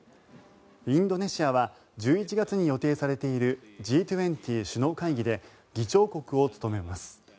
インドネシアは１１月に予定されているＧ２０首脳会議で議長国を務めます。